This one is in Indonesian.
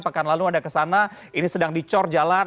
pekan lalu ada kesana ini sedang dicor jalan